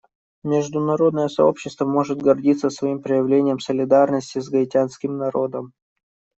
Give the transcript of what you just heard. Международное сообщество может гордиться своим проявлением солидарности с гаитянским народом.